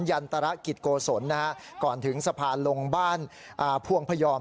ยันตรกิจโกศลนะฮะก่อนถึงสะพานลงบ้านพวงพยอม